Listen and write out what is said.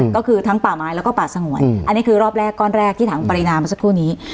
ก็คือทั้งป่าไม้แล้วก็ป่าสงวนอันนี้คือรอบแรกก้อนแรกที่ถังปรินามาสักครู่นี้